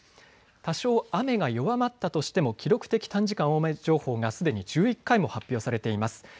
多少雨が弱まったとしても記録的短時間大雨情報がすでに１１回も発表されています。